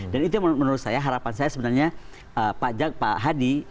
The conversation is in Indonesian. dan itu menurut saya harapan saya sebenarnya pak hadi